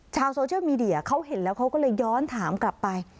ชาวโซเชียลมีเดียเขาเห็นแล้วเขาก็เลยย้อนถามกลับไป